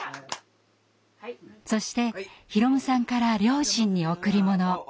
そして宏夢さんから両親に贈り物。